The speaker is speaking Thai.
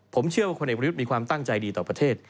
ผมเชื่อว่าคนเอกประยุทธ์มีความตั้งใจดีต่อประเทศ